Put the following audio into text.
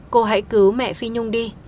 cô hãy cứu mẹ phi nhung đi